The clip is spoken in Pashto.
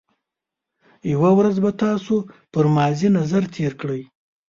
یو ورځ به تاسو پر ماضي نظر تېر کړئ.